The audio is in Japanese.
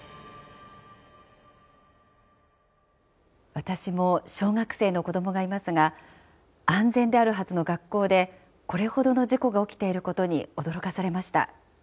私も小学生の子どもがいますが安全であるはずの学校でこれほどの事故が起きていることに驚かされました。